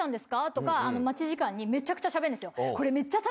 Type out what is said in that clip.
待ち時間にめちゃくちゃしゃべるんですよ。